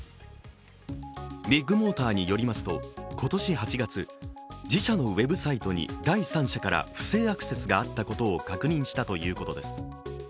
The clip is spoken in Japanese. ビッグモーターによりますと、今年８月、自社のウェブサイトに第三者から不正アクセスがあったことを確認したということです。